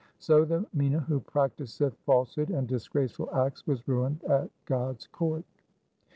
So the Mina who practiseth falsehood and disgraceful acts, was ruined at God's court.